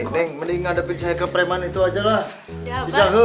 neng mending ngadepin saya ke preman itu aja lah